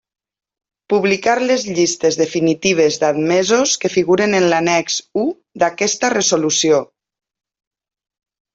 Publicar les llistes definitives d'admesos que figuren en l'annex u d'aquesta resolució.